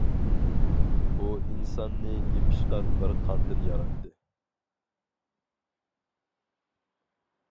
ئۇ ئىنساننى يېپىشقاق بىر قاندىن ياراتتى.